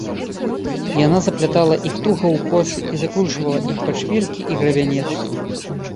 Яна заплятала іх туга ў косы і закручвала іх пад шпількі і грабянец.